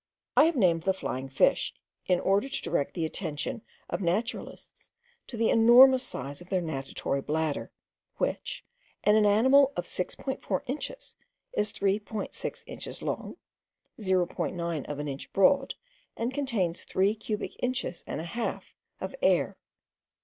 I have named the flying fish, in order to direct the attention of naturalists to the enormous size of their natatory bladder, which, in an animal of 6.4 inches, is 3.6 inches long, 0.9 of an inch broad, and contains three cubic inches and a half of air.